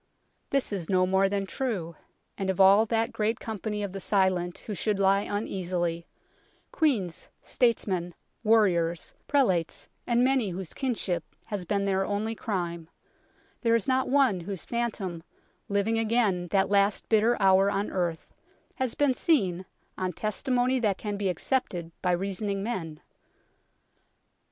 This is no more than true, and of all that great company of the silent who should lie uneasily queens, statesmen, warriors, prelates and many whose kinship has been their only crime there is not one whose phantom, living again that last bitter hour on earth, has been seen, on testimony that can be accepted by reasoning men.